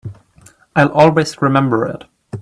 I'll always remember it.